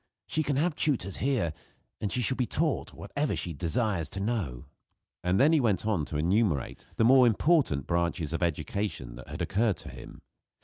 She can have tutors here; and she shall be taught whatever she desires to know." And he then went on to enumerate the more important branches of education that had occurred to him.